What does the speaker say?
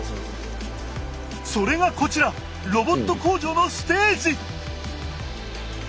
それがこちら「ロボット工場」のステージ！